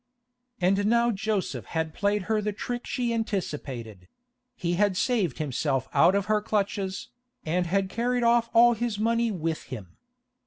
And now Joseph had played her the trick she anticipated; he had saved himself out of her clutches, and had carried off all his money with him.